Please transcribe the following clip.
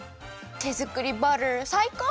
てづくりバターさいこう！